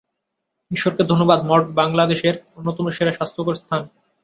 ঈশ্বরকে ধন্যবাদ, মঠ বাঙলাদেশের অন্যতম সেরা স্বাস্থ্যকর স্থান।